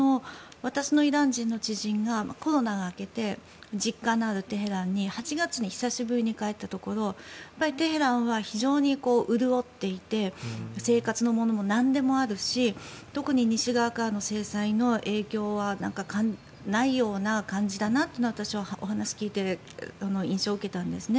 私のイラン人の知人がコロナが明けて実家のあるテヘランに８月に久しぶりに帰ったところテヘランは非常に潤っていて生活のものも何でもあるし特に西側からの制裁の影響はないような感じだなと私はお話を聞いていて印象を受けたんですね。